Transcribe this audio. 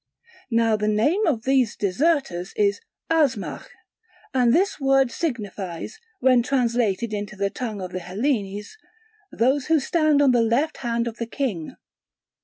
Now the name of these "Deserters" is Asmach, and this word signifies, when translated into the tongue of the Hellenes, "those who stand on the left hand of the king."